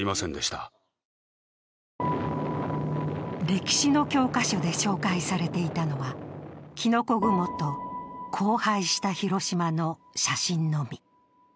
歴史の教科書で紹介されていたのはきのこ雲と、荒廃した広島の写真のみ。